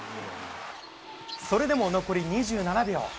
それでも残り２７秒。